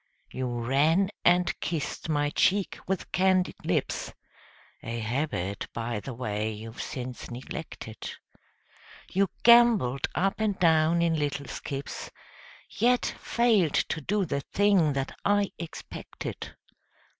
You ran and kissed my cheek with candied lips, A habit, by the way, you've since neglected ; You gambolled up and down in little skips, Yet failed to do the thing that I expected.